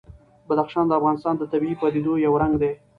بدخشان د افغانستان د طبیعي پدیدو یو رنګ دی.